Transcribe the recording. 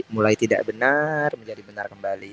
mulai tidak benar menjadi benar kembali